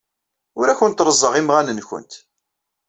Ur awent-reẓẓaɣ imɣan-nwent.